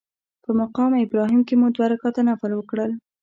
په مقام ابراهیم کې مو دوه رکعته نفل وکړل.